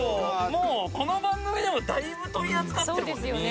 もうこの番組でもだいぶ取り扱ってるもんね